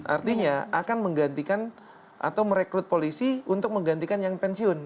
artinya akan menggantikan atau merekrut polisi untuk menggantikan yang pensiun